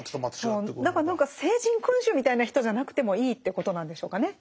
何か聖人君子みたいな人じゃなくてもいいっていうことなんでしょうかね。